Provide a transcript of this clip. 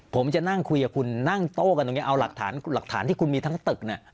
ผมจะนั่งคุยกับคุณนั่งโต้กันตรงนี้เอาหลักฐานหลักฐานที่คุณมีทั้งตึกเนี่ย